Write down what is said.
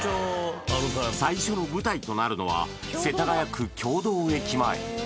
最初の舞台となるのは世田谷区経堂駅前